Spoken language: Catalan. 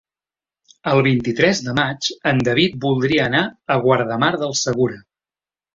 El vint-i-tres de maig en David voldria anar a Guardamar del Segura.